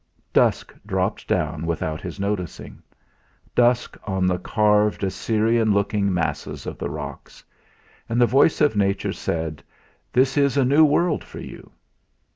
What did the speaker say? Dusk dropped down without his noticing dusk on the carved, Assyrian looking masses of the rocks. And the voice of Nature said: "This is a new world for you!"